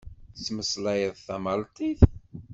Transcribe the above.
Tettmeslayeḍ tamalṭit?